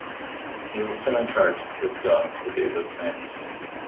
He also encouraged his guards to do the same.